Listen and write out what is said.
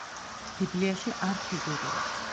ბიბლიაში არ ფიგურირებს.